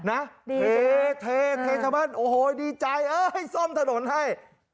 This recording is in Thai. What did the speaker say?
อ้าวดีจริงนะโอ้โฮดีใจซ่อมถนนให้